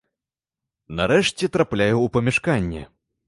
Нарэшце трапляю ў памяшканне.